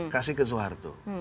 kasih ke soeharto